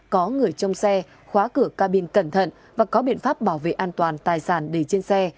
có người trông xe khóa cửa cabin cẩn thận và có biện pháp bảo vệ an toàn tài sản để trên xe